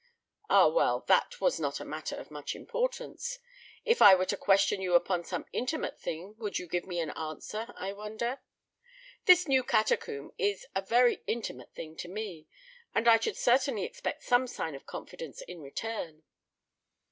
"Ah, well, that was not a matter of much importance. If I were to question you upon some intimate thing would you give me an answer, I wonder! This new catacomb is a very intimate thing to me, and I should certainly expect some sign of confidence in return."